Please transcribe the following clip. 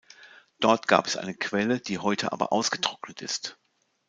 Dort gab es eine Quelle, die heute aber ausgetrocknet ist.